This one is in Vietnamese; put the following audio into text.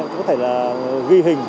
có thể là ghi hình